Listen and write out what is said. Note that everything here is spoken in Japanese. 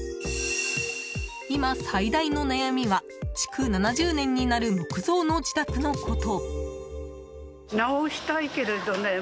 今、最大の悩みは築７０年になる木造の自宅のこと。